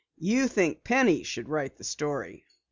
You think Penny should write the story?"